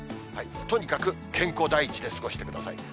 とにかく健康第一で過ごしてくださいね。